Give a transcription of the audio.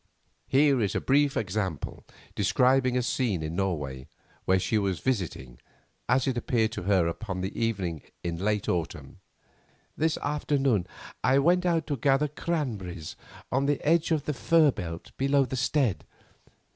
Here is a brief example describing a scene in Norway, where she was visiting, as it appeared to her upon some evening in late autumn: "This afternoon I went out to gather cranberries on the edge of the fir belt below the Stead.